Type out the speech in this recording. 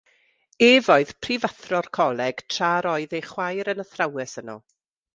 Ef oedd prifathro'r coleg tra'r oedd ei chwaer yn athrawes yno.